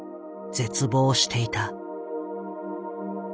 絶望していた。